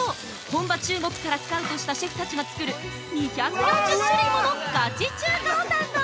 本場・中国からスカウトしたシェフたちが作る２４０種類ものガチ中華を堪能！